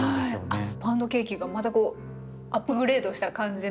あっパウンドケーキがまたこうアップグレードした感じの。